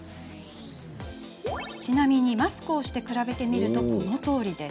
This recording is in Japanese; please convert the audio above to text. ちなみにマスクをして比べるとこのとおり。